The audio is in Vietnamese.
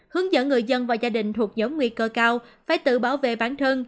hướng dẫn người dân và gia đình thuộc giống nguy cơ cao phải tự bảo vệ bản thân